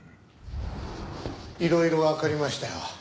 いろいろわかりました。